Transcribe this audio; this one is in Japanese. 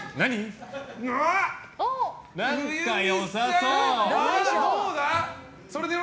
何か良さそう。